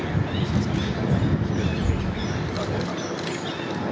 karena ekonomi adalah hal yang berkaitan dengan perang selama